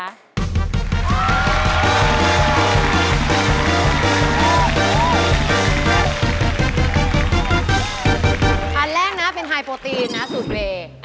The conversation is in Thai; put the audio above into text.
อันแรกนะเป็นไฮโปรตีนสูตรเวลลดช็อคโก